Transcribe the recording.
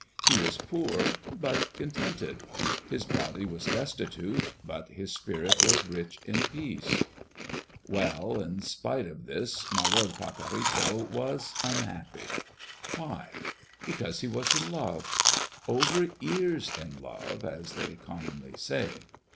He was poor but contented; his body was destitute, but his spirit was rich in peace. Well, in spite of all this, my lord Pacorrito was unhappy. Why? Because he was in love, over ears in love, as they commonly say.